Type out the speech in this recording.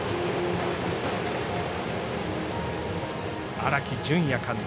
荒木準也監督。